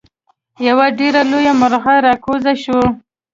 یو ډیر لوی مرغۍ راکوز شو.